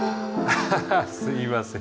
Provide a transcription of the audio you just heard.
ハハハッすいません。